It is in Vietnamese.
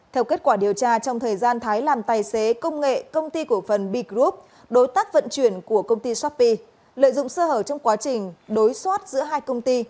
theo kết quả điều tra trong thời gian thái làm tài xế công nghệ công ty cổ phần b group đối tác vận chuyển của công ty shopee lợi dụng sơ hở trong quá trình đối soát giữa hai công ty